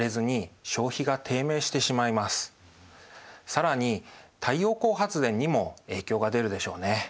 更に太陽光発電にも影響が出るでしょうね。